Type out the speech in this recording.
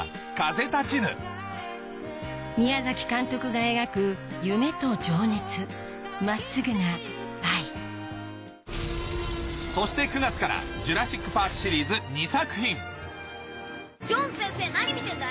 宮崎監督が描く夢と情熱真っすぐな愛そして９月から『ジュラシック・パーク』シリーズ２作品ジョーンズ先生何見てんだい？